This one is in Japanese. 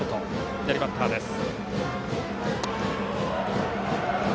左バッターです。